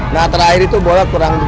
nah terakhir itu bola kurang